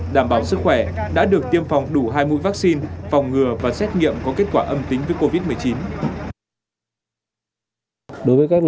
đảm bảo sức khỏe đã được tiêm phòng đủ hai mũi vaccine phòng ngừa và xét nghiệm có kết quả âm tính với covid một mươi chín